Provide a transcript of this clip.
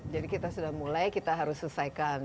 jadi kita sudah mulai kita harus selesaikan